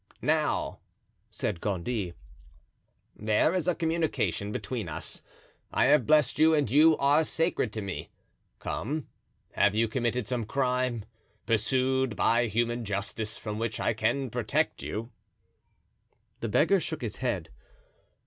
"Now," said Gondy, "there is a communion between us. I have blessed you and you are sacred to me. Come, have you committed some crime, pursued by human justice, from which I can protect you?" The beggar shook his head.